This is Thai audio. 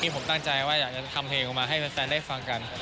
ผมตั้งใจว่าอยากจะทำเพลงออกมาให้แฟนได้ฟังกัน